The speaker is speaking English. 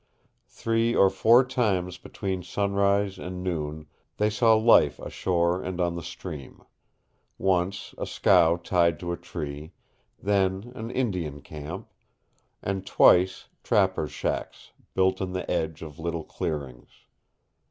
Three or four times between sunrise and noon they saw life ashore and on the stream; once a scow tied to a tree, then an Indian camp, and twice trappers' shacks built in the edge of little clearings.